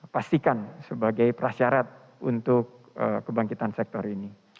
pastikan sebagai prasyarat untuk kebangkitan sektor ini